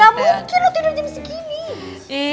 gak mungkin lo tidur jam segini